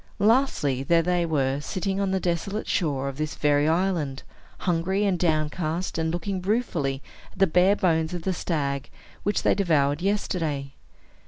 Lastly, there they were, sitting on the desolate shore of this very island, hungry and downcast, and looking ruefully at the bare bones of the stag which they devoured yesterday.